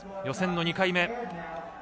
予選の２回目。